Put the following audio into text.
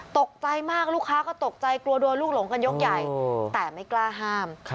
ตกใจมากลูกค้าก็ตกใจกลัวโดนลูกหลงกันยกใหญ่แต่ไม่กล้าห้าม